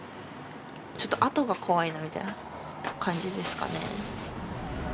ちょっとあとが怖いなみたいな感じですかね。